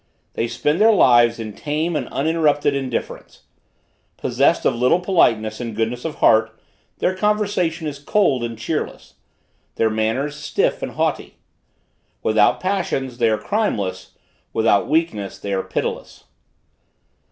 They spend their lives in tame and uninterrupted indifference. Possessed of little politeness and goodness of heart, their conversation is cold and cheerless; their manners stiff and haughty. Without passions, they are crimeless; without weakness, they are pitiless.